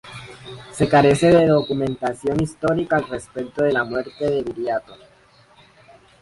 Se carece de documentación histórica al respecto de la muerte de Viriato.